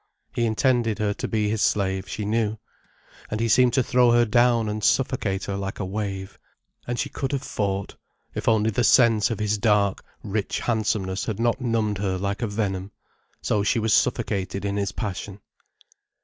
He intended her to be his slave, she knew. And he seemed to throw her down and suffocate her like a wave. And she could have fought, if only the sense of his dark, rich handsomeness had not numbed her like a venom. So she was suffocated in his passion.